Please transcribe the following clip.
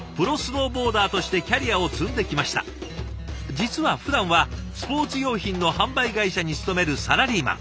実はふだんはスポーツ用品の販売会社に勤めるサラリーマン。